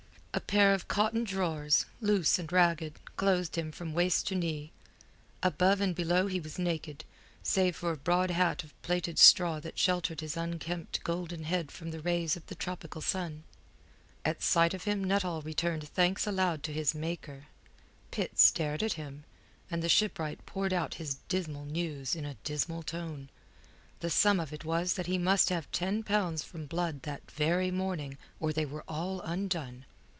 A pair of cotton drawers, loose and ragged, clothed him from waist to knee; above and below he was naked, save for a broad hat of plaited straw that sheltered his unkempt golden head from the rays of the tropical sun. At sight of him Nuttall returned thanks aloud to his Maker. Pitt stared at him, and the shipwright poured out his dismal news in a dismal tone. The sum of it was that he must have ten pounds from Blood that very morning or they were all undone.